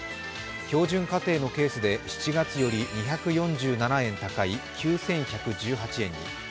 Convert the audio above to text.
標準家庭のケースで７月より２４７円高い９１１８円に。